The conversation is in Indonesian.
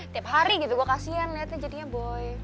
tiap hari gitu gue kasian lihatnya jadinya boy